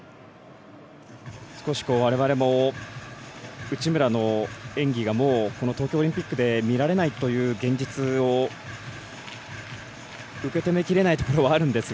少しわれわれも内村の演技がもう東京オリンピックで見られないという現実を受け止めきれないところはあるんですが